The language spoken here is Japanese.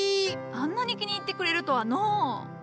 あんなに気に入ってくれるとはのう。